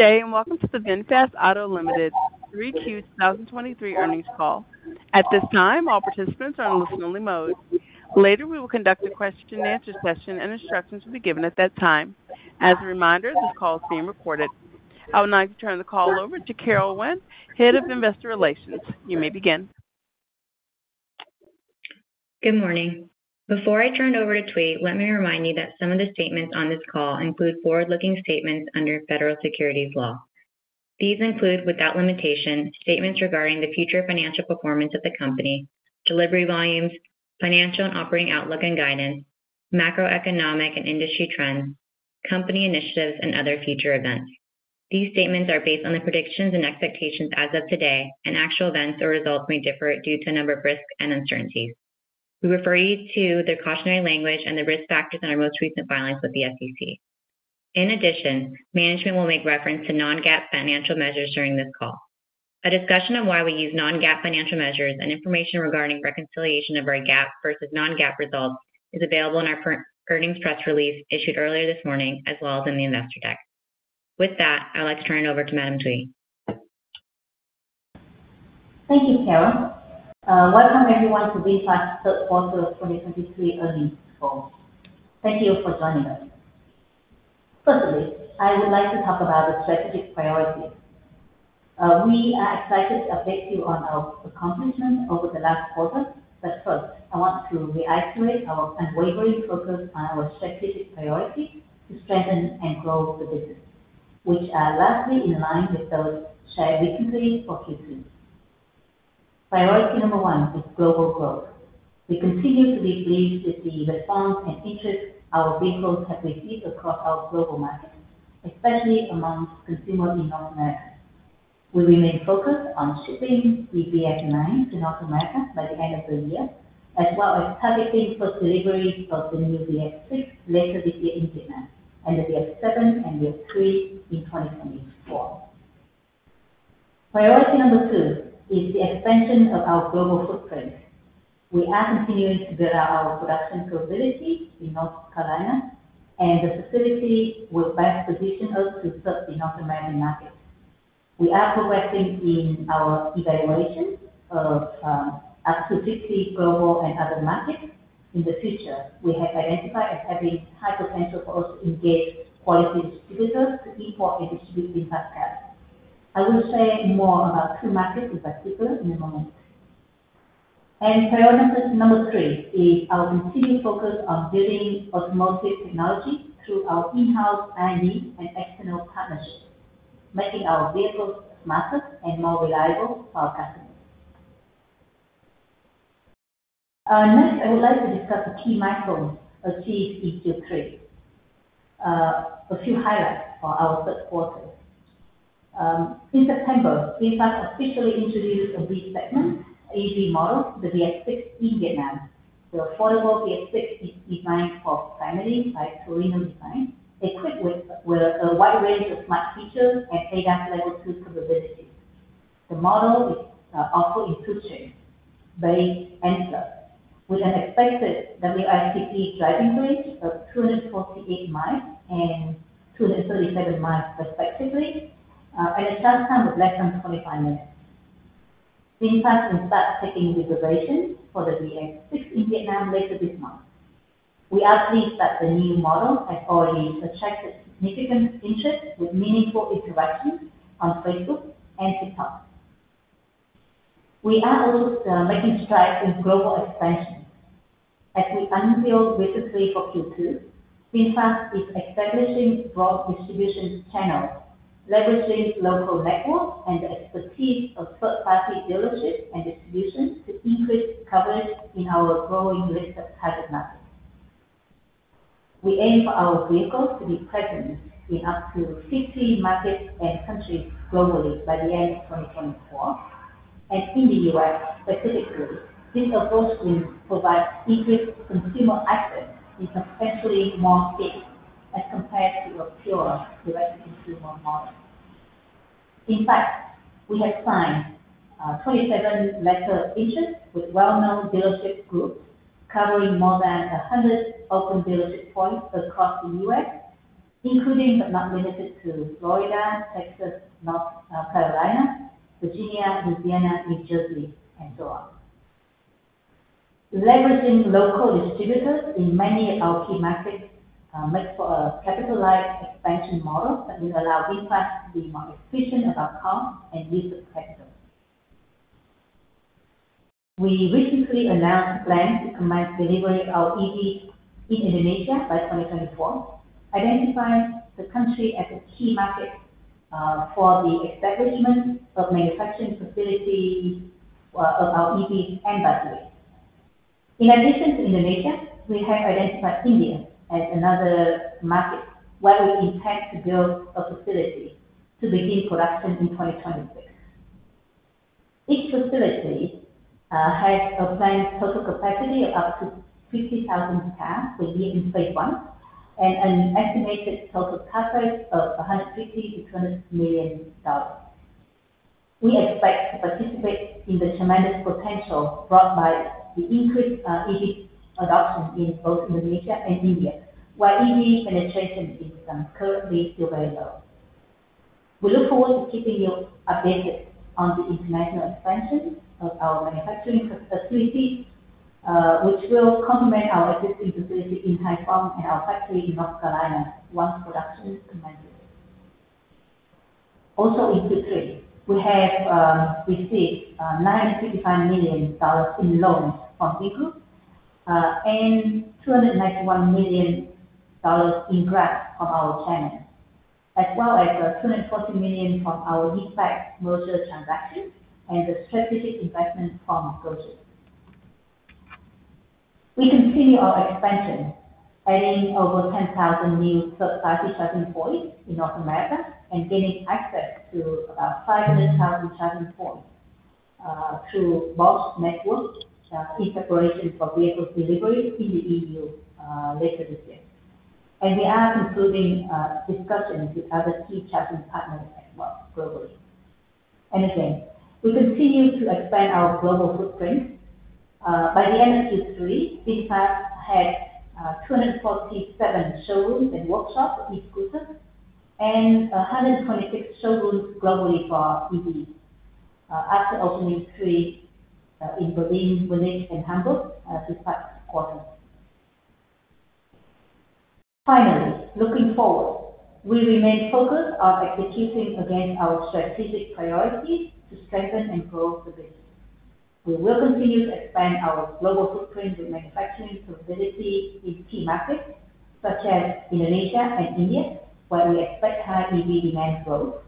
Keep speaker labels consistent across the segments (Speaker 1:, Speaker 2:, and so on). Speaker 1: Good day, and welcome to the VinFast Auto Ltd. Q3 2023 Earnings Call. At this time, all participants are in listen-only mode. Later, we will conduct a question and answer session, and instructions will be given at that time. As a reminder, this call is being recorded. I would now like to turn the call over to Carol Wynn, Head of Investor Relations. You may begin.
Speaker 2: Good morning. Before I turn it over to Thủy, let me remind you that some of the statements on this call include forward-looking statements under federal securities laws. These include, without limitation, statements regarding the future financial performance of the company, delivery volumes, financial and operating outlook and guidance, macroeconomic and industry trends, company initiatives, and other future events. These statements are based on the predictions and expectations as of today, and actual events or results may differ due to a number of risks and uncertainties. We refer you to the cautionary language and the risk factors in our most recent filings with the SEC. In addition, management will make reference to non-GAAP financial measures during this call. A discussion on why we use non-GAAP financial measures and information regarding reconciliation of our GAAP versus non-GAAP results is available in our current earnings press release issued earlier this morning, as well as in the investor deck. With that, I'd like to turn it over to Madam Thủy.
Speaker 3: Thank you, Carol. Welcome, everyone, to VinFast's Third Quarter 2023 Earnings Call. Thank you for joining us. Firstly, I would like to talk about the strategic priorities. We are excited to update you on our accomplishments over the last quarter, but first, I want to reiterate our unwavering focus on our strategic priorities to strengthen and grow the business, which are largely in line with those shared recently for Q3. Priority number one is global growth. We continue to be pleased with the response and interest our vehicles have received across our global markets, especially among consumers in North America. We remain focused on shipping the VF 9 to North America by the end of the year, as well as targeting for delivery of the new VF 6 later this year in Vietnam, and the VF 7 and VF 3 in 2024. Priority number two is the expansion of our global footprint. We are continuing to build out our production facility in North Carolina, and the facility will best position us to serve the North American market. We are progressing in our evaluation of up to 50 global and other markets in the future. We have identified as having high potential for us to engage quality distributors to import and distribute VinFast cars. I will say more about two markets in particular in a moment. Priority number three is our continued focus on building automotive technology through our in-house R&D and external partnerships, making our vehicles smarter and more reliable for our customers. Next, I would like to discuss the key milestones achieved in Q3. A few highlights for our third quarter. In September, VinFast officially introduced a B-segment EV model, the VF 6, in Vietnam. The affordable VF 6 is designed for families by Torino Design, equipped with a wide range of smart features and ADAS level two capabilities. The model is offered in two trims, Base and Plus, with an expected WLTP driving range of 248 miles and 237 miles respectively, and a charge time of less than 25 minutes. VinFast will start taking reservations for the VF 6 in Vietnam later this month. We are pleased that the new model has already attracted significant interest with meaningful interactions on Facebook and TikTok. We are also making strides in global expansion. As we unveiled recently for Q2, VinFast is establishing broad distribution channels, leveraging local networks and the expertise of third-party dealerships and distributions to increase coverage in our growing list of target markets. We aim for our vehicles to be present in up to 50 markets and countries globally by the end of 2024. In the US specifically, this approach will provide increased consumer access in substantially more states as compared to a pure direct-to-consumer model. In fact, we have signed twenty-seven letters of intent with well-known dealership groups, covering more than 100 open dealership points across the US, including, but not limited to Florida, Texas, North Carolina, Virginia, Louisiana, New Jersey, and so on. Leveraging local distributors in many of our key markets makes for a capitalized expansion model that will allow VinFast to be more efficient about cost and use of capital. We recently announced plans to commence delivering our EVs in Indonesia by 2024, identifying the country as a key market for the establishment of manufacturing facilities for our EVs and batteries. In addition to Indonesia, we have identified India as another market where we intend to build a facility to begin production in 2026. Each facility has a planned total capacity of up to 50,000 cars a year in phase one, and an estimated total CapEx of $150 million-$200 million. We expect to participate in the tremendous potential brought by the increased EV adoption in both Indonesia and India, where EV penetration is currently still very low. We look forward to keeping you updated on the international expansion of our manufacturing facility, which will complement our existing facility in Hai Phong and our factory in North Carolina once production is commenced. Also in Q3, we have received $965 million in loans from Vingroup, and $291 million in grants from our partners, as well as $240 million from our SPAC merger transaction and the strategic investment from Gojek. We continue our expansion, adding over 10,000 new third-party charging points in North America and gaining access to about 500,000 charging points through Bosch network in preparation for vehicle delivery in the EU later this year. And we are concluding discussions with other key charging partners as well globally. We continue to expand our global footprint. By the end of Q3, VinFast had 247 showrooms and workshops with scooters, and 126 showrooms globally for EVs, after opening three in Berlin, Munich, and Hamburg this past quarter. Finally, looking forward, we remain focused on executing against our strategic priorities to strengthen and grow the business. We will continue to expand our global footprint with manufacturing facilities in key markets such as Indonesia and India, where we expect high EV demand growth.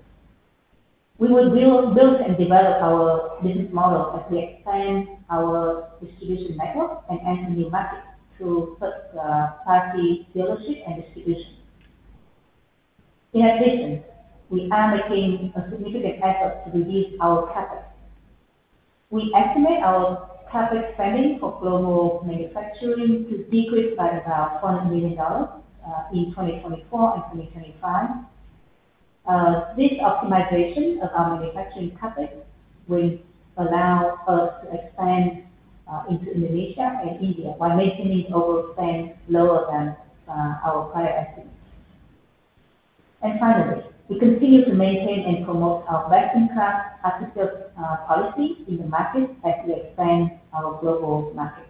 Speaker 3: We will build, build, and develop our business model as we expand our distribution network and enter new markets through third-party dealership and distribution. In addition, we are making a significant effort to reduce our CapEx. We estimate our CapEx spending for global manufacturing to decrease by about $400 million in 2024 and 2025. This optimization of our manufacturing CapEx will allow us to expand into Indonesia and India while maintaining our overall spend lower than our prior estimates. And finally, we continue to maintain and promote our best-in-class aftersales policy in the market as we expand our global market.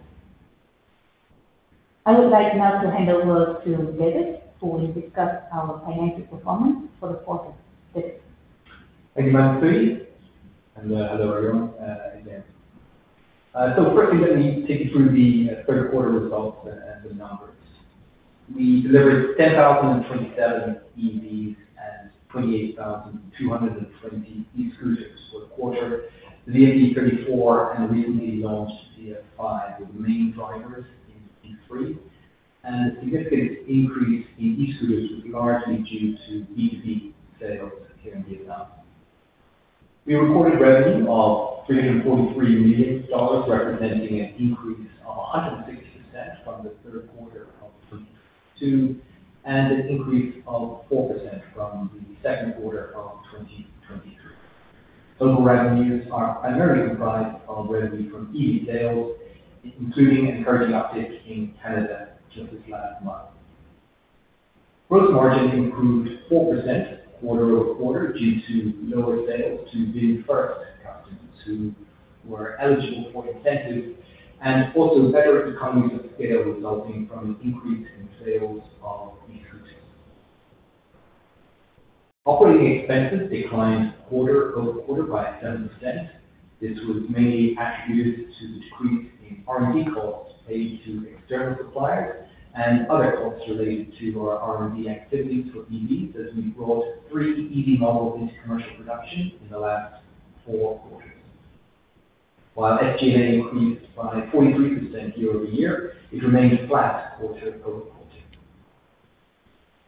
Speaker 3: I would like now to hand over to David, who will discuss our financial performance for the quarter. David?
Speaker 4: Thank you, Madam Thủy. Hello, everyone, again. Firstly, let me take you through the third quarter results and the numbers. We delivered 10,027 EV and 28,220 e-scooters for the quarter. The VF e34 and recently launched VF 5 were the main drivers in Q3, and a significant increase in e-scooters was largely due to B2B sales here in Vietnam. We recorded revenue of $343 million, representing an increase of 160% from the third quarter of 2022, and an increase of 4% from the second quarter of 2023. Total revenues are primarily comprised of revenue from EV sales, including an encouraging uptick in Canada just this last month. Gross margin improved 4% quarter-over-quarter due to lower sales to VinFirst customers who were eligible for incentives, and also better economies of scale resulting from an increase in sales of e-scooters. Operating expenses declined quarter-over-quarter by 7%. This was mainly attributed to the decrease in R&D costs paid to external suppliers and other costs related to our R&D activities for EVs, as we brought three EV models into commercial production in the last four quarters. While SG&A increased by 43% year-over-year, it remained flat quarter-over-quarter.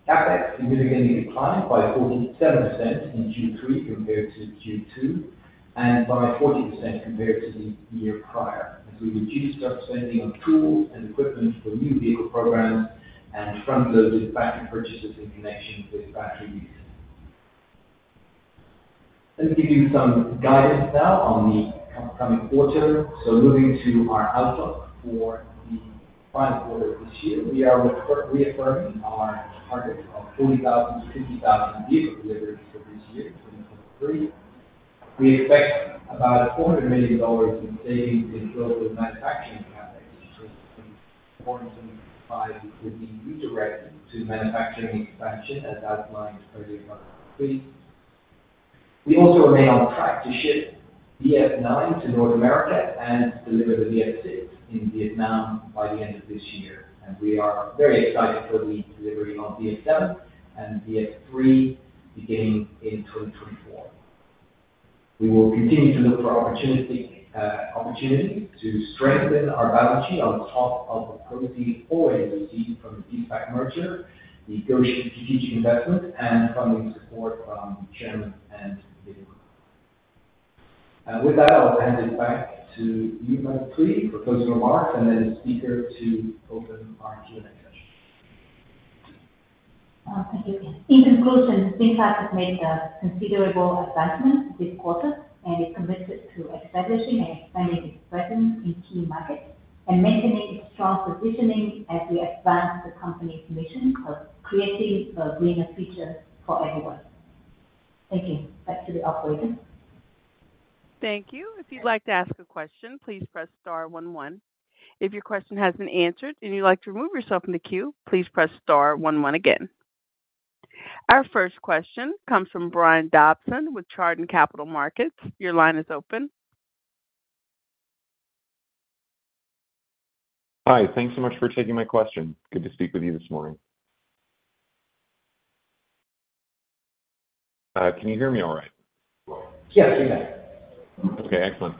Speaker 4: CapEx significantly declined by 47% in Q3 compared to Q2, and by 40% compared to the year prior, as we reduced our spending on tools and equipment for new vehicle programs and front-loaded factory purchases in connection with battery leasing. Let me give you some guidance now on the coming quarter. So moving to our outlook for the final quarter of this year, we are reaffirming our target of 40,000-50,000 vehicle deliveries for this year, 2023. We expect about $400 million in savings in global manufacturing CapEx between 2024 and 2025, which will be redirected to manufacturing expansion, as outlined earlier by. [inaudible] We also remain on track to ship VF 9 to North America and deliver the VF 6 in Vietnam by the end of this year. We are very excited for the delivery on VF 7 and VF 3, beginning in 2024. We will continue to look for opportunity to strengthen our balance sheet on top of the proceeds already received from the SPAC merger, the Gojek strategic investment, and funding support from Chairman and Vingroup. With that, I'll hand it back to you, Madam Thủy, for closing remarks and then Speaker to open our Q&A session....
Speaker 3: thank you. In conclusion, VinFast has made a considerable advancement this quarter, and is committed to establishing and expanding its presence in key markets and maintaining its strong positioning as we advance the company's mission of creating a greener future for everyone. Thank you. Back to the operator.
Speaker 1: Thank you. If you'd like to ask a question, please press star one one. If your question has been answered and you'd like to remove yourself from the queue, please press star one one again. Our first question comes from Brian Dobson with Chardan Capital Markets. Your line is open.
Speaker 5: Hi, thanks so much for taking my question. Good to speak with you this morning. Can you hear me all right?
Speaker 4: Yes, we can.
Speaker 5: Okay, excellent.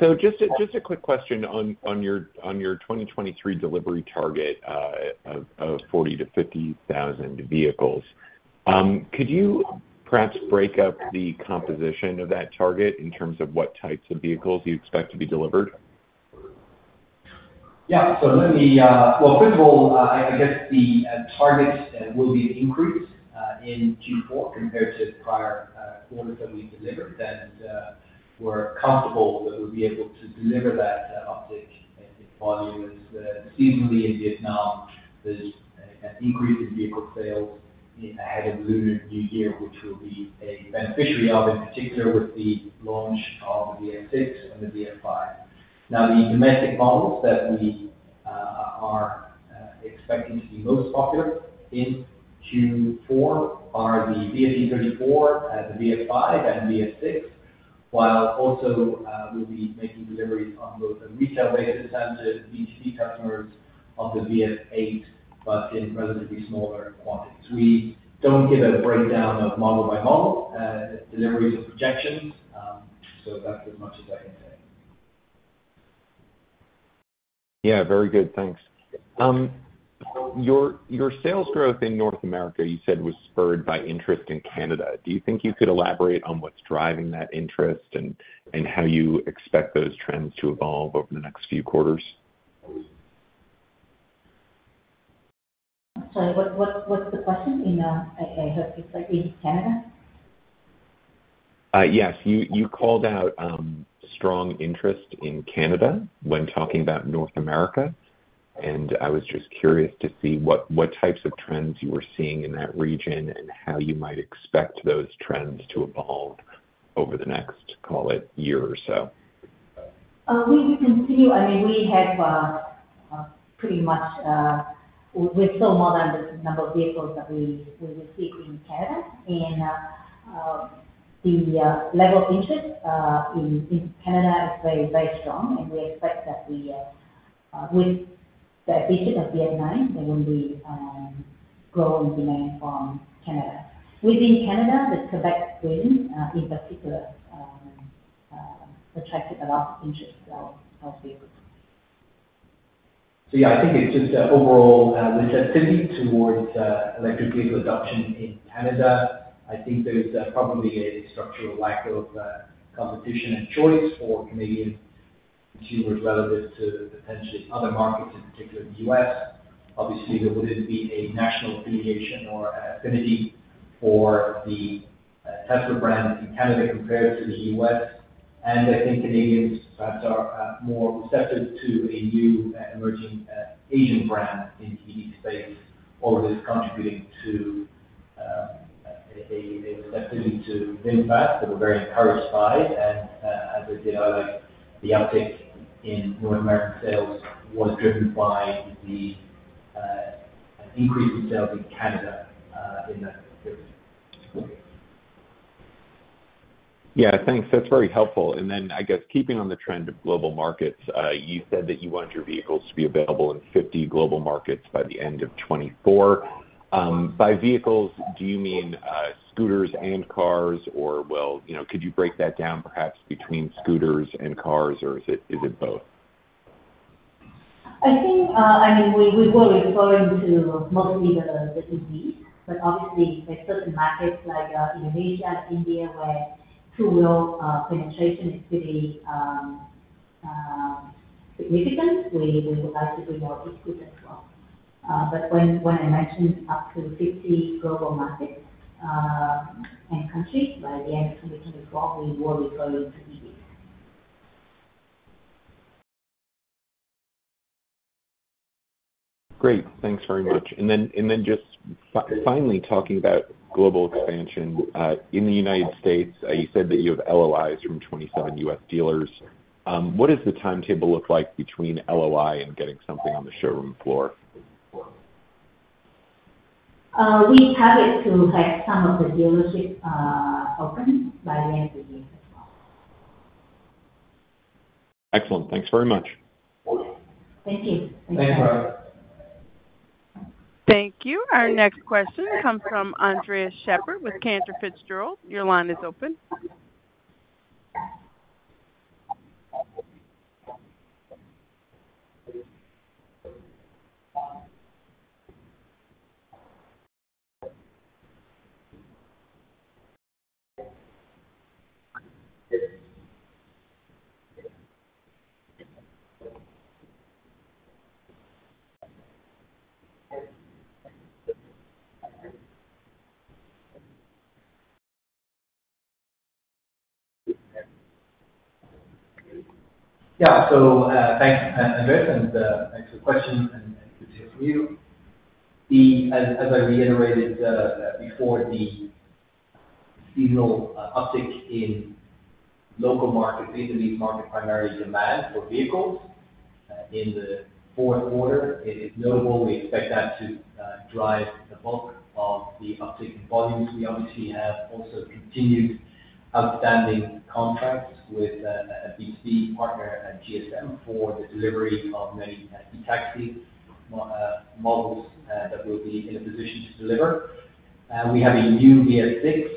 Speaker 5: So just a quick question on your 2023 delivery target of 40,000-50,000 vehicles. Could you perhaps break up the composition of that target in terms of what types of vehicles you expect to be delivered?
Speaker 4: Yeah. Let me, well, first of all, I guess the targets will be increased in Q4 compared to the prior quarters that we delivered. We're comfortable that we'll be able to deliver that uptick in volume. Seasonally in Vietnam, there's an increase in vehicle sales ahead of Lunar New Year, which we'll be a beneficiary of, in particular with the launch of the VF 6 and the VF 5. Now, the domestic models that we are expecting to be most popular in Q4 are the VF e34, the VF 5, and VF 6. While also, we'll be making deliveries on both a retail basis and to B2B customers of the VF 8, but in relatively smaller quantities. We don't give a breakdown of model by model deliveries or projections. So that's as much as I can say.
Speaker 5: Yeah, very good. Thanks. Your sales growth in North America, you said, was spurred by interest in Canada. Do you think you could elaborate on what's driving that interest and how you expect those trends to evolve over the next few quarters?
Speaker 3: Sorry, what, what's the question? In, I heard you say in Canada?
Speaker 5: Yes. You called out strong interest in Canada when talking about North America, and I was just curious to see what types of trends you were seeing in that region and how you might expect those trends to evolve over the next, call it, year or so.
Speaker 3: We continue—I mean, we have pretty much, we're still more than the number of vehicles that we received in Canada. The level of interest in Canada is very, very strong, and we expect that we, with the visit of Vietnam, there will be growing demand from Canada. Within Canada, the Quebec stream in particular attracted a lot of interest as well of vehicles.
Speaker 4: So yeah, I think it's just an overall receptivity towards electric vehicle adoption in Canada. I think there's probably a structural lack of competition and choice for Canadian consumers relative to potentially other markets, in particular the U.S. Obviously, there wouldn't be a national affiliation or an affinity for the Tesla brand in Canada compared to the U.S. And I think Canadians perhaps are more receptive to a new and emerging Asian brand in the EV space, all of this contributing to a receptivity to VinFast that we're very encouraged by. And as I did highlight, the uptick in North American sales was driven by the increase in sales in Canada in that period.
Speaker 5: Yeah, thanks. That's very helpful. And then, I guess keeping on the trend of global markets, you said that you want your vehicles to be available in 50 global markets by the end of 2024. By vehicles, do you mean, scooters and cars, or, well, you know, could you break that down perhaps between scooters and cars, or is it, is it both?
Speaker 3: I think, I mean, we were referring to mostly the EVs, but obviously there are certain markets like Indonesia and India, where two-wheel penetration is pretty significant. We would like to do more with scooters as well. But when I mentioned up to 50 global markets and countries by the end of 2024, we were referring to EVs.
Speaker 5: Great. Thanks very much. And then, and then just finally, talking about global expansion, in the United States, you said that you have LOIs from 27 U.S. dealers. What does the timetable look like between LOI and getting something on the showroom floor?
Speaker 3: We target to have some of the dealerships open by the end of the year as well.
Speaker 5: Excellent. Thanks very much.
Speaker 3: Thank you.
Speaker 4: Thanks, Brian.
Speaker 1: Thank you. Our next question comes from Andres Sheppard with Cantor Fitzgerald. Your line is open.
Speaker 4: Yeah. Thanks, Andres, and thanks for the question, good to hear from you. As I reiterated before, the seasonal uptick in the local Vietnamese market, primary demand for vehicles in the fourth quarter, is notable. We expect that to drive the bulk of the uptick in volumes. We obviously have also continued outstanding contracts with VCB partner and GSM for the delivery of many e-taxi models that we'll be in a position to deliver. We have a new VF 6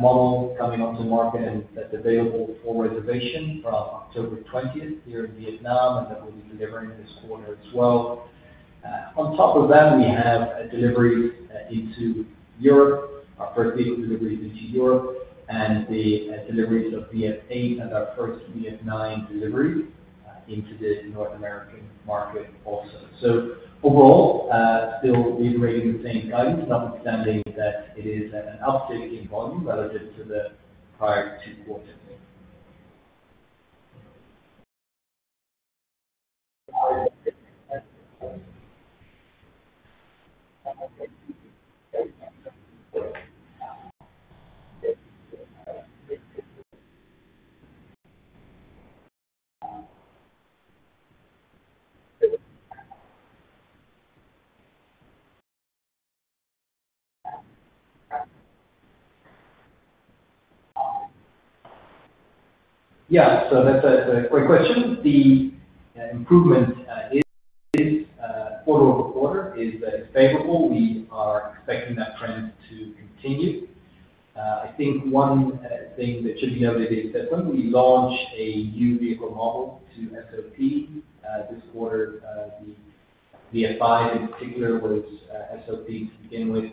Speaker 4: model coming onto the market, and that's available for reservation from October 20 here in Vietnam, and that we'll be delivering this quarter as well. On top of that, we have deliveries into Europe, our first vehicle deliveries into Europe, and the deliveries of VF 8 and our first VF 9 delivery into the North American market also. So overall, still reiterating the same guidance, notwithstanding that it is an uptick in volume relative to the prior two quarters. Yeah. So that's a great question. The improvement quarter-over-quarter is favorable. We are expecting that trend to continue. I think one thing that should be noted is that when we launch a new vehicle model to SOP this quarter, the VF 5 in particular, was SOP to begin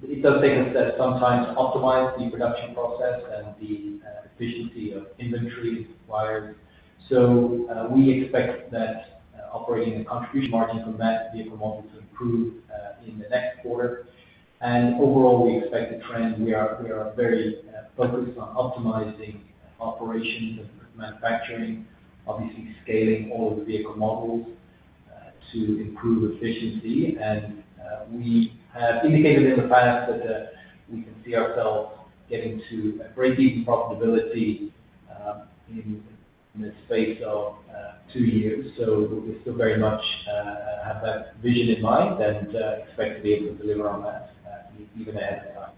Speaker 4: with. It does take us some time to optimize the production process and the efficiency of inventory required. So, we expect that, operating and contribution margin from that vehicle model to improve, in the next quarter. And overall, we expect the trend. We are, we are very, focused on optimizing operations and manufacturing, obviously scaling all of the vehicle models, to improve efficiency. And, we have indicated in the past that, we can see ourselves getting to a breakeven profitability, in, in the space of, two years. So we still very much, have that vision in mind and, expect to be able to deliver on that, even ahead of time.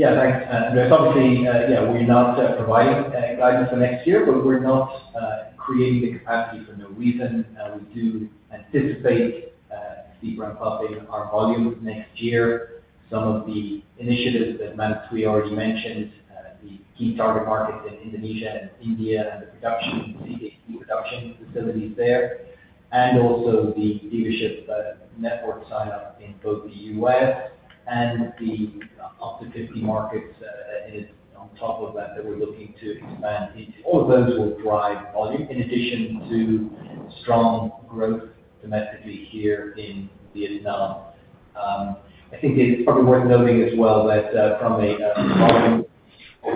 Speaker 4: Yeah, thanks, obviously, yeah, we not, providing, guidance for next year, but we're not, creating the capacity for no reason. We do anticipate, a steeper uptick in our volume next year. Some of the initiatives that Matthew already mentioned, the key target markets in Indonesia and India, and the production, CKD production facilities there, and also the dealership, network sign-up in both the U.S. and up to 50 markets, is on top of that, that we're looking to expand into. All of those will drive volume in addition to strong growth domestically here in Vietnam. I think it's probably worth noting as well that, from a volume,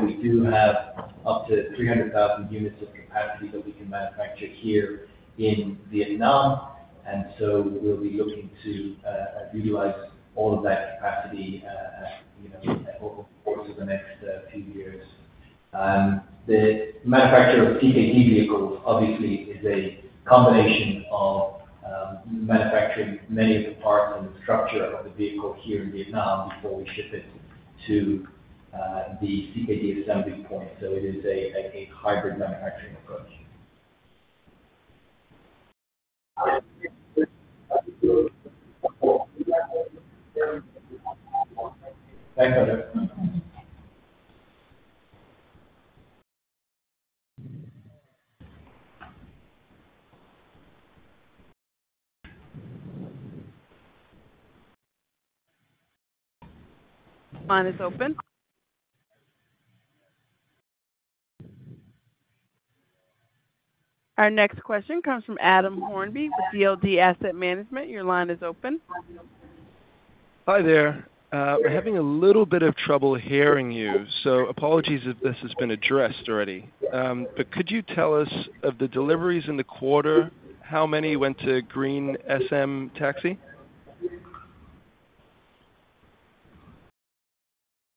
Speaker 4: we do have up to 300,000 units of capacity that we can manufacture here in Vietnam, and so we'll be looking to utilize all of that capacity, you know, over the course of the next few years. The manufacturer of CKD vehicles obviously is a combination of manufacturing many of the parts and the structure of the vehicle here in Vietnam before we ship it to the CKD assembly point. So it is a hybrid manufacturing approach. Thanks, Andres.
Speaker 1: Line is open. Our next question comes from Adam Hornby with DLD Asset Management. Your line is open.
Speaker 6: Hi there. We're having a little bit of trouble hearing you, so apologies if this has been addressed already. But could you tell us, of the deliveries in the quarter, how many went to Green SM Taxi?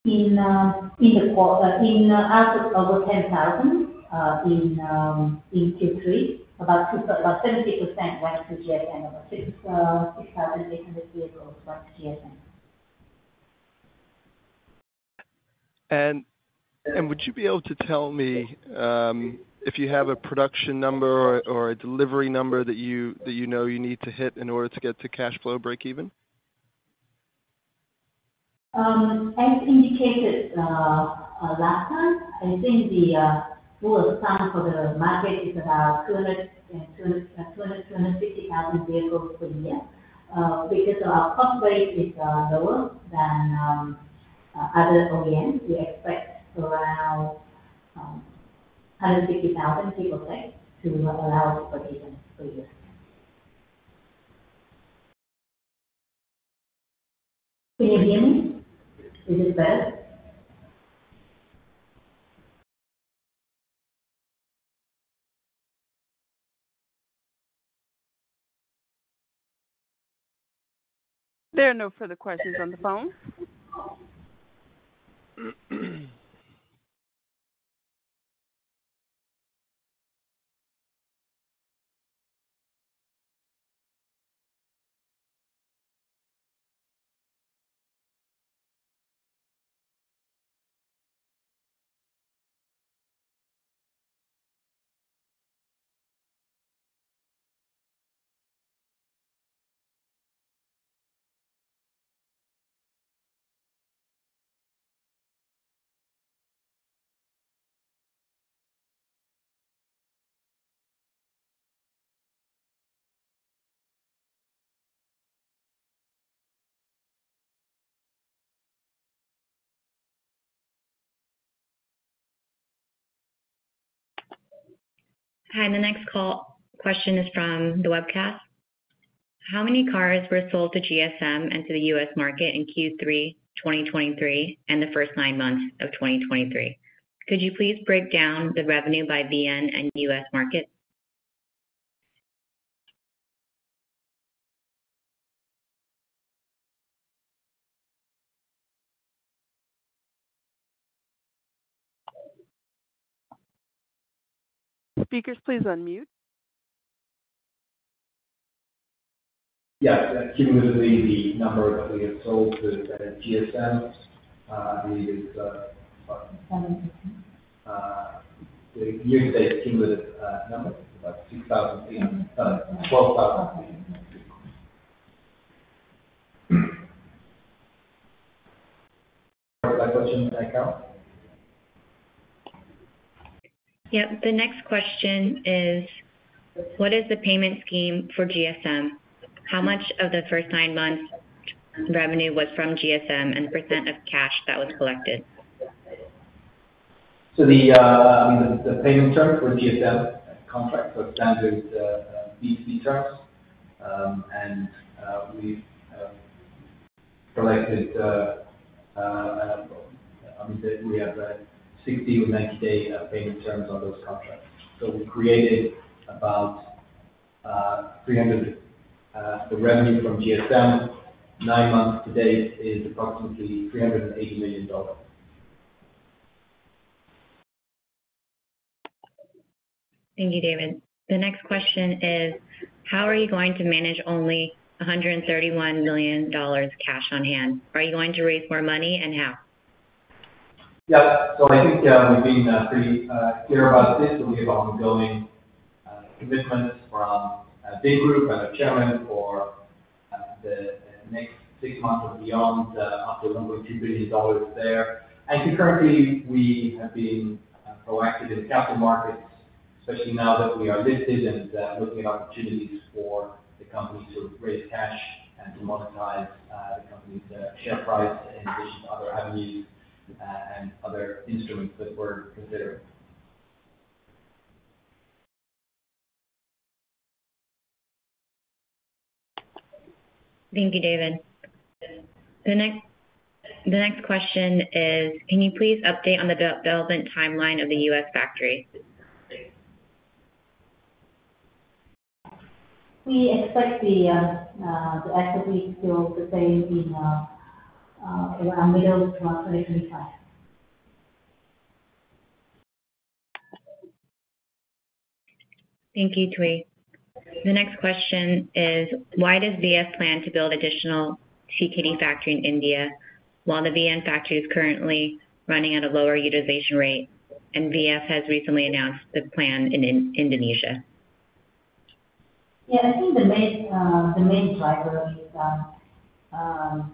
Speaker 3: In the quarter, out of over 10,000, in Q3, about 70% went to GSM, about 6,800 vehicles went to GSM.
Speaker 6: Would you be able to tell me if you have a production number or a delivery number that you know you need to hit in order to get to cash flow breakeven?
Speaker 3: As indicated last time, I think the total sum for the market is about 202-250,000 vehicles per year. Because our cost rate is lower than other OEMs, we expect around 150,000 vehicles, right, to be allowed for GSM per year. Can you hear me? Is this better? There are no further questions on the phone.
Speaker 2: Hi, the next call... Question is from the webcast. How many cars were sold to GSM and to the US market in Q3 2023 and the first nine months of 2023? Could you please break down the revenue by VN and US markets?
Speaker 3: Speakers, please unmute.
Speaker 4: Yeah, cumulatively, the number that we have sold to GSM is about-
Speaker 3: [inaudible]
Speaker 4: The year-to-date cumulative number is about 2,300 uh 2,300 vehicles. Next question in the account.
Speaker 2: Yep. The next question is: What is the payment scheme for GSM? How much of the first nine months revenue was from GSM and percent of cash that was collected?
Speaker 4: The payment term for GSM contract was standard BC. [inaudible] I mean, we have a 60 or 90-day payment terms on those contracts. We created about 300... The revenue from GSM, nine months to date, is approximately $380 million.
Speaker 2: Thank you, David. The next question is: How are you going to manage only $131 million cash on hand? Are you going to raise more money and how?
Speaker 4: Yeah. So I think we've been pretty clear about this. We have ongoing commitments from Vingroup and the chairman for the next six months or beyond. The up to $1.2 billion is there. I think currently we have been proactive in the capital markets, especially now that we are listed and looking at opportunities for the company to raise cash and to monetize the company's share price in addition to other avenues and other instruments that we're considering.
Speaker 2: Thank you, David. The next question is: Can you please update on the development timeline of the U.S. factory?
Speaker 3: We expect the factory to still stay in around middle to latter 2025.
Speaker 2: Thank you, Thủy. The next question is: Why does VS plan to build additional CKD factory in India while the VN factory is currently running at a lower utilization rate, and VS has recently announced the plan in Indonesia?
Speaker 3: Yeah, I think the main, the main driver is,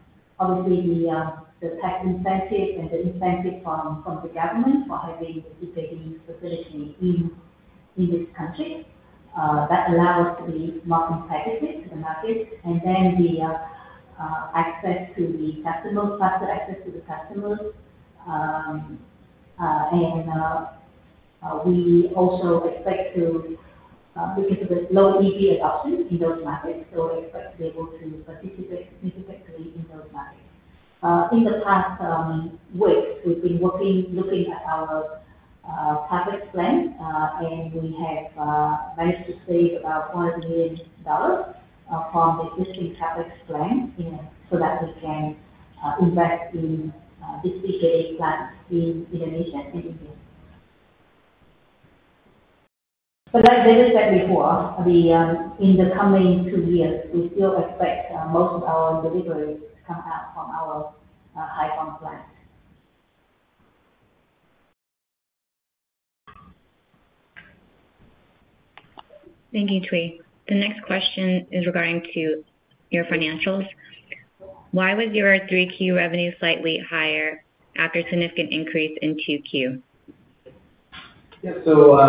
Speaker 3: obviously the, the tax incentive and the incentive from, from the government for having the facility in, in this country, that allows the market packages to the market, and then the, access to the customers, faster access to the customers. And, we also expect to, because of the low EV adoption in those markets, so we expect to be able to participate significantly in those markets. In the past weeks, we've been working, looking at our CapEx plan, and we have, managed to save about $400 million, from the existing CapEx plan, you know, so that we can, invest in, this CKD plant in Indonesia and India. So like David said before, in the coming two years, we still expect most of our deliveries to come out from our Hai Phong plant.
Speaker 2: Thank you, Thủy. The next question is regarding to your financials. Why was your 3Q revenue slightly higher after a significant increase in 2Q?
Speaker 4: Yeah. So,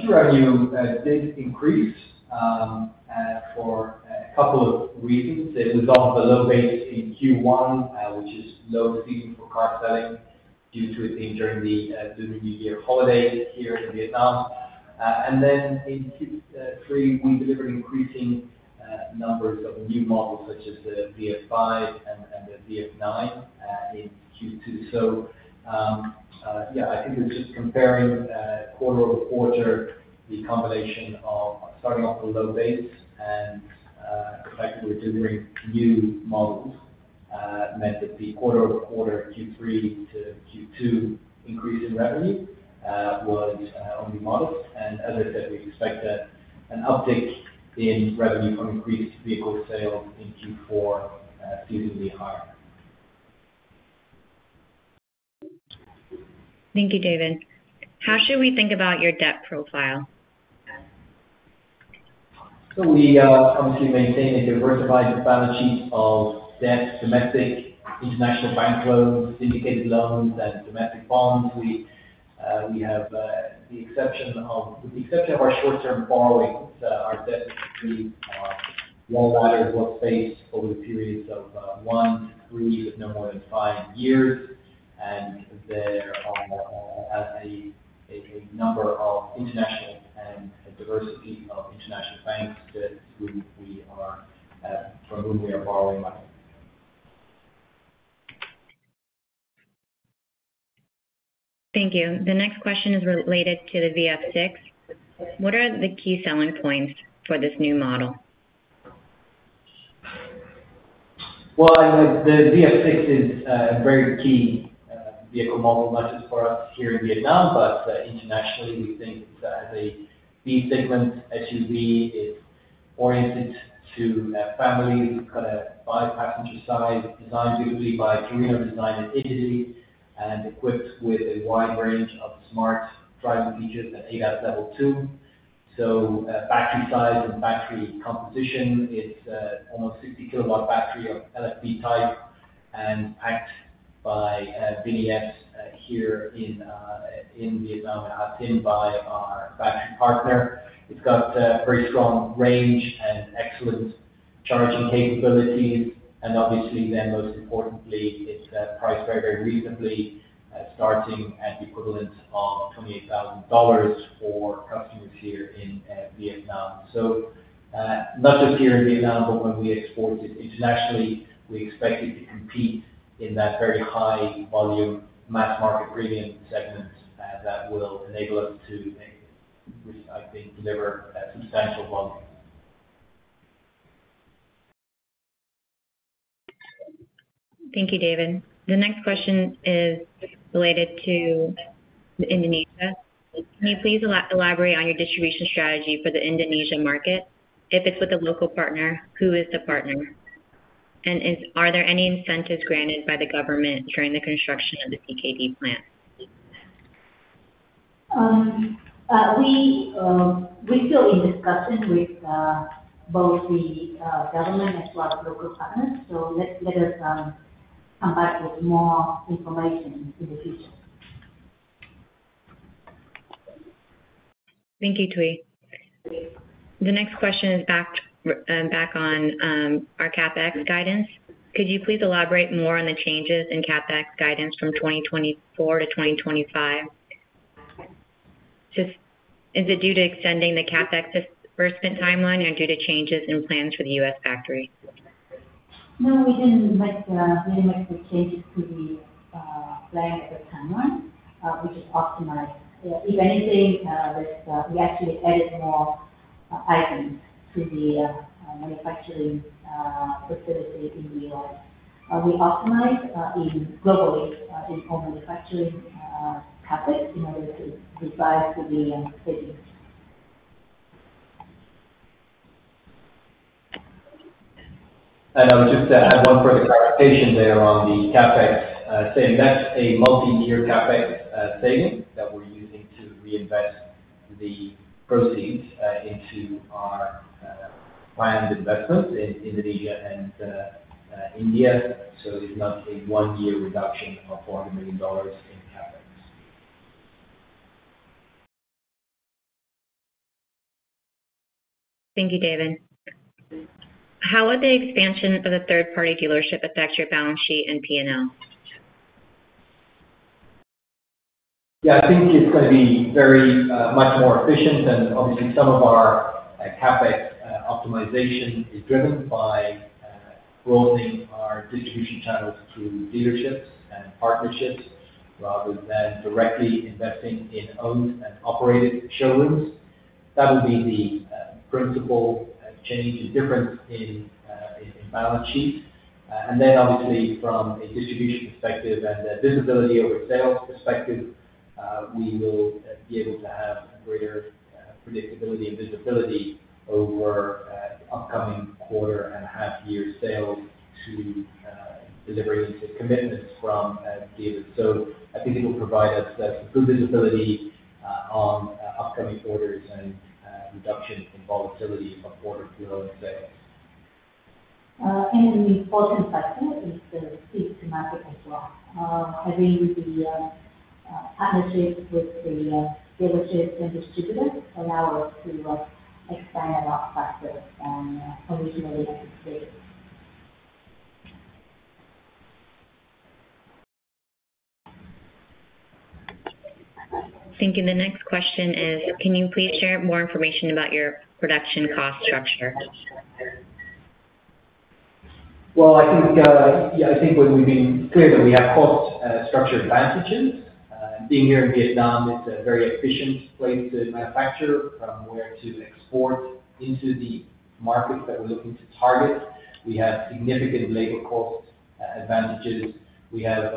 Speaker 4: Q revenue did increase for a couple of reasons. It was off a low base in Q1, which is low season for car selling due to it being during the New Year holiday here in Vietnam. And then in Q three, we delivered increasing numbers of new models such as the VF 5 and the VF 9 in Q2. So, yeah, I think it was just comparing quarter-over-quarter, the combination of starting off with low base and effectively delivering new models meant that the quarter-over-quarter, Q3 to Q2 increase in revenue was on new models. And as I said, we expect that an uptick in revenue from increased vehicle sales in Q4, seasonally higher.
Speaker 2: Thank you, David. How should we think about your debt profile?
Speaker 4: We obviously maintain a diversified balance sheet of debt, domestic, international bank loans, syndicated loans, and domestic bonds. We have, with the exception of our short-term borrowings, our debt is pretty well-wide, well-spaced over the periods of one to three, with no more than five years. There are a number of international and a diversity of international banks that we are from whom we are borrowing money.
Speaker 2: Thank you. The next question is related to the VF 6. What are the key selling points for this new model?
Speaker 4: Well, the VF 6 is a very key vehicle model, not just for us here in Vietnam, but internationally, we think it's a B-segment SUV. It's oriented to families, got a five-passenger size, designed beautifully by Torino Design in Italy, and equipped with a wide range of smart driving features, ADAS level. Battery size and battery composition, it's almost 60 kWh battery of LFP type, and packed by BNEF here in Vietnam, and packed in by our battery partner. It's got a very strong range and excellent charging capabilities, and obviously then most importantly, it's priced very, very reasonably, starting at the equivalent of $28,000 for customers here in Vietnam. So, not just here in Vietnam, but when we export it internationally, we expect it to compete in that very high volume, mass market premium segment, that will enable us to, I think, deliver a substantial volume.
Speaker 2: Thank you, David. The next question is related to Indonesia. Can you please elaborate on your distribution strategy for the Indonesian market? If it's with a local partner, who is the partner? And are there any incentives granted by the government during the construction of the CKD plant?
Speaker 3: We're still in discussions with both the government as well as local partners. So let us come back with more information in the future.
Speaker 2: Thank you, Thuy. The next question is back on our CapEx guidance. Could you please elaborate more on the changes in CapEx guidance from 2024 to 2025? Just, is it due to extending the CapEx disbursement timeline or due to changes in plans for the U.S. factory?
Speaker 3: No, we didn't make, we didn't make the changes to the plan or the timeline, we just optimized. If anything, we actually added more items to the manufacturing facility in the U.S. We optimize in globally, in all manufacturing CapEx, in order to decide to be efficient.
Speaker 4: I'll just add one further clarification there on the CapEx. That's a multi-year CapEx saving that we're using to reinvest the proceeds into our planned investments in Indonesia and India. It's not a one-year reduction of $400 million in CapEx.
Speaker 2: Thank you, David. How would the expansion of the third-party dealership affect your balance sheet and P&L?
Speaker 4: Yeah, I think it's going to be very much more efficient and obviously some of our CapEx optimization is driven by growing our distribution channels through dealerships and partnerships, rather than directly investing in owned and operated showrooms. That will be the principal change and difference in balance sheet. And then obviously from a distribution perspective and a visibility or a sales perspective, we will be able to have greater predictability and visibility over upcoming quarter and half year sales to deliveries and commitments from dealers. So I think it will provide us better visibility on upcoming orders and reduction in volatility from quarter to quarter sales.
Speaker 3: The fourth perspective is the speed to market as well. I believe the partnership with the dealerships and distributors allow us to expand a lot faster than originally expected.
Speaker 2: Thank you. The next question is, can you please share more information about your production cost structure?
Speaker 4: Well, I think, yeah, I think we've been clear that we have cost structure advantages. Being here in Vietnam, it's a very efficient place to manufacture, from where to export into the markets that we're looking to target. We have significant labor cost advantages. We have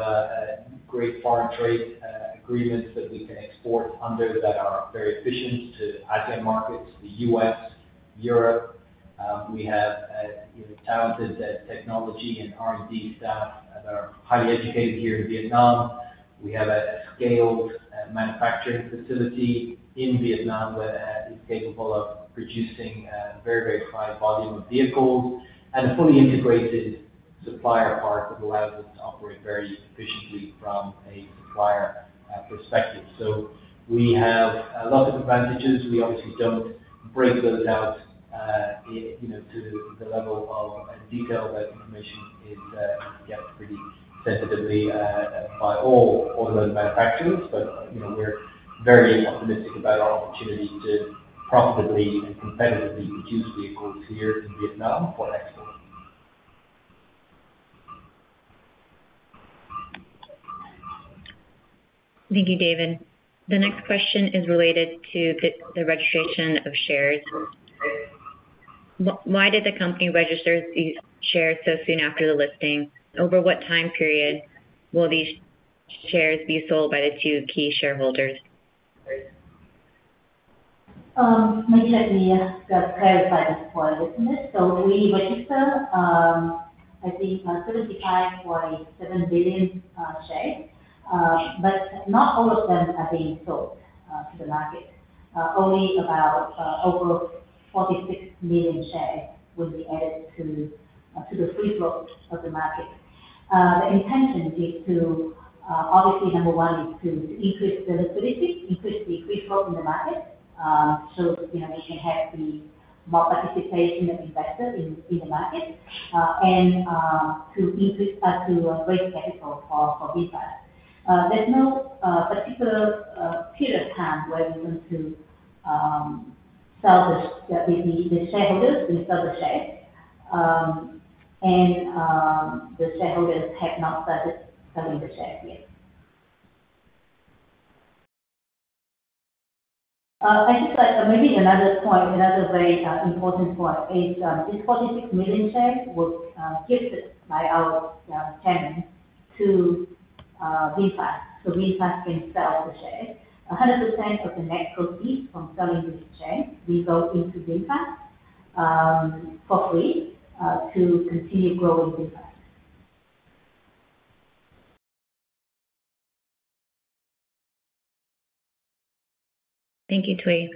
Speaker 4: great foreign trade agreements that we can export under that are very efficient to ASEAN markets, the U.S., Europe. We have talented technology and R&D staff that are highly educated here in Vietnam. We have a scaled manufacturing facility in Vietnam, where is capable of producing a very, very high volume of vehicles and a fully integrated supplier park that allows us to operate very efficiently from a supplier perspective. So we have a lot of advantages. We obviously don't break those out, you know, to the level of detail. That information is, yeah, pretty sensitive by all automotive manufacturers. But, you know, we're very optimistic about our opportunity to profitably and competitively produce vehicles here in Vietnam for export.
Speaker 2: Thank you, David. The next question is related to the registration of shares. Why did the company register these shares so soon after the listing? Over what time period will these shares be sold by the two key shareholders?
Speaker 3: Maybe I can clarify this for the listeners. So we register, I think, 75.7 billion shares, but not all of them are being sold to the market. Only about over 46 million shares will be added to the free float of the market. The intention is to, obviously, number one, is to increase the liquidity, increase the free float in the market, so, you know, we can have the more participation of investors in the market, and to increase... to raise capital for VinFast. There's no particular period of time where we want to sell the, the, the shareholders will sell the shares, and the shareholders have not started selling the shares yet. I think maybe another point, another very important point is, this 46 million shares was gifted by our chairman to VinFast, so VinFast can sell the shares. 100% of the net proceeds from selling the shares will go into VinFast, for free, to continue growing VinFast.
Speaker 2: Thank you, Thủy.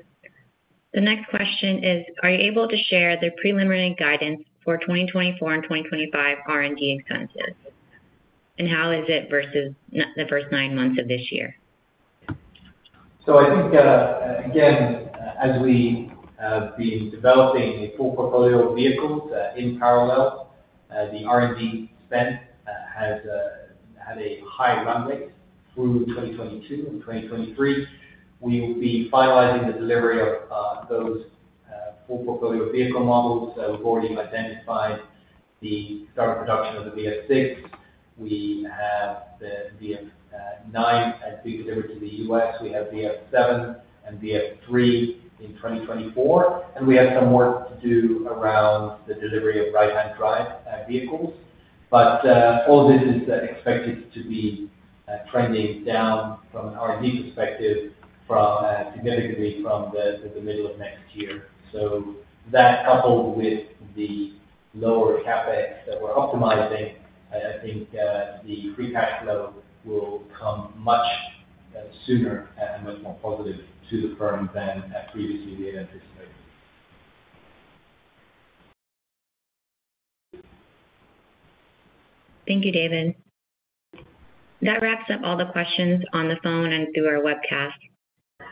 Speaker 2: The next question is: Are you able to share the preliminary guidance for 2024 and 2025 R&D expenses? And how is it versus the first nine months of this year?
Speaker 4: So I think, again, as we have been developing a full portfolio of vehicles, in parallel, the R&D spend has had a high run rate through 2022 and 2023. We will be finalizing the delivery of those full portfolio of vehicle models. So we've already identified the start of production of the VF 6. We have the VF 9 to be delivered to the U.S. We have VF 7 and VF 3 in 2024, and we have some work to do around the delivery of right-hand drive vehicles. But all this is expected to be trending down from an R&D perspective, significantly from the middle of next year. So that, coupled with the lower CapEx that we're optimizing, I, I think, the free cash flow will come much sooner and much more positive to the firm than previously we had anticipated.
Speaker 2: Thank you, David. That wraps up all the questions on the phone and through our webcast.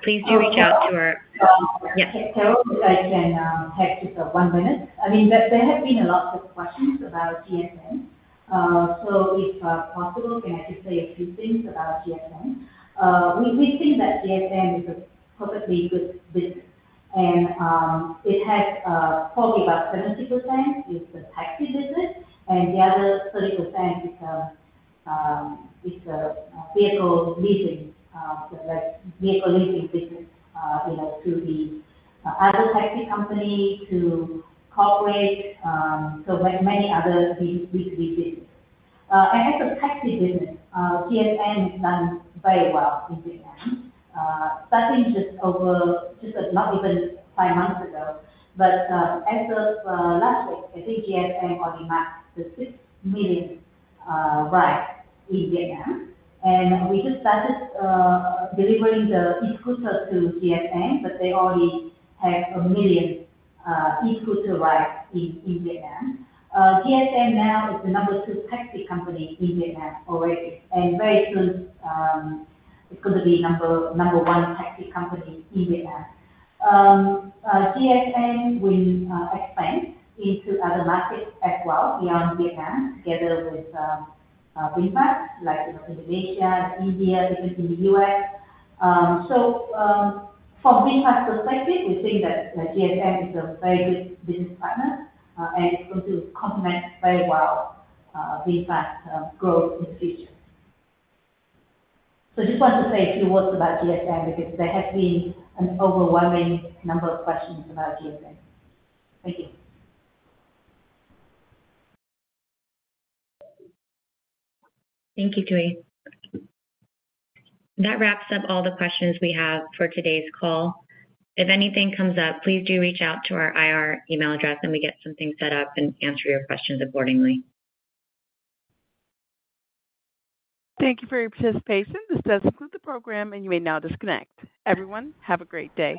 Speaker 2: Please do reach out to our-
Speaker 3: Um- [inaudible]
Speaker 2: Yes.
Speaker 3: If I can take just one minute. I mean, there have been a lot of questions about GSM. So if possible, can I just say a few things about GSM? We think that GSM is a perfectly good business, and it has probably about 70% is the taxi business, and the other 30% is the vehicle leasing, like vehicle leasing business, you know, to the other taxi company, to corporate, so like many other business we visit. As a taxi business, GSM has done very well in Vietnam. Starting just over, just not even five months ago, but as of last week, I think GSM already marked the 6 million rides in Vietnam. We just started delivering the e-scooter to GSM, but they already have 1 million e-scooter rides in Vietnam. GSM now is the number two taxi company in Vietnam already, and very soon, it's going to be number one taxi company in Vietnam. GSM will expand into other markets as well, beyond Vietnam, together with, like, you know, Indonesia, India, even in the US. From VinFast's perspective, we think that GSM is a very good business partner, and it's going to complement very well VinFast's growth in the future. Just want to say a few words about GSM, because there has been an overwhelming number of questions about GSM. Thank you.
Speaker 2: Thank you, Thủy. That wraps up all the questions we have for today's call. If anything comes up, please do reach out to our IR email address, and we get something set up and answer your questions accordingly.
Speaker 1: Thank you for your participation. This does conclude the program, and you may now disconnect. Everyone, have a great day.